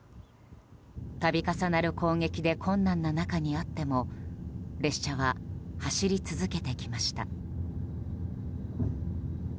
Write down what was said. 度重なる攻撃で困難な中にあっても列車は走り続けてきました。